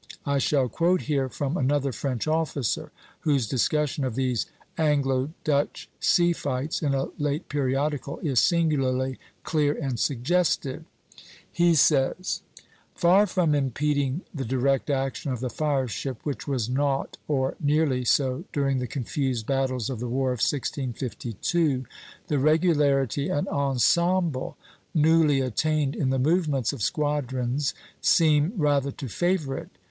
I shall quote here from another French officer, whose discussion of these Anglo Dutch sea fights, in a late periodical, is singularly clear and suggestive. He says: "Far from impeding the direct action of the fire ship, which was naught or nearly so during the confused battles of the war of 1652, the regularity and ensemble newly attained in the movements of squadrons seem rather to favor it.